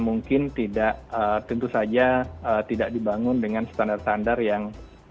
mungkin tidak tentu saja tidak dibangun dengan standar standar yang